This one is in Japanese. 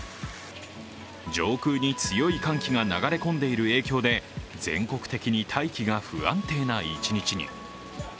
上空に強い寒気が流れ込んでいる影響で全国的に大気が不安定な一日に。